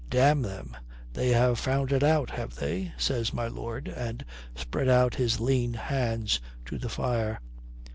"Damn them, they have found it out, have they?" says my lord, and spread out his lean hands to the fire.